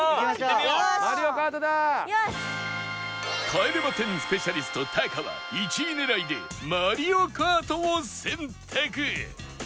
帰れま１０スペシャリストタカは１位狙いでマリオカートを選択